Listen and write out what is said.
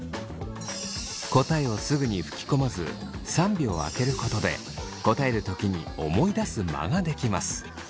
答えをすぐに吹き込まず３秒空けることで答える時に思い出す間が出来ます。